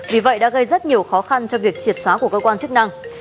vì vậy đã gây rất nhiều khó khăn cho việc triệt xóa của cơ quan chức năng